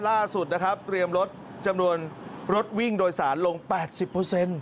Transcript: ล่าสุดนะครับเตรียมลดจำนวนรถวิ่งโดยสารลง๘๐เปอร์เซ็นต์